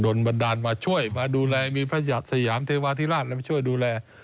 บันดาลมาช่วยมาดูแลมีพระหัสสยามเทวาธิราชมาช่วยดูแล